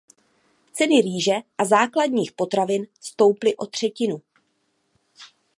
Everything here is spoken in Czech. Ceny rýže a základních potravin stouply o třetinu.